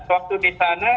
waktu di sana